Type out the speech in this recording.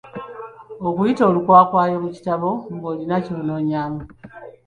Okuyita olukwakwayo mu kitabo ng'olina ky'onoonyaamu.